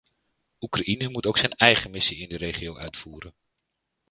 Oekraïne moet ook zijn eigen missie in de regio uitvoeren.